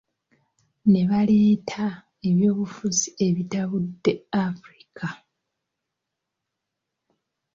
Ne baleeta ebyobufuzi ebitabudde Afirika.